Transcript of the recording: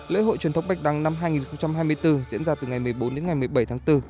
lễ hội truyền thống bạch đăng năm hai nghìn hai mươi bốn diễn ra từ ngày một mươi bốn đến ngày một mươi bảy tháng bốn